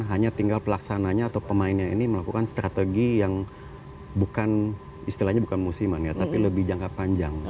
hanya tinggal pelaksananya atau pemainnya ini melakukan strategi yang bukan istilahnya bukan musiman ya tapi lebih jangka panjang